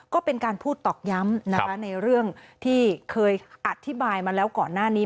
ก็เป็นการพูดตอกย้ำนะคะในเรื่องที่เคยอธิบายมาแล้วก่อนหน้านี้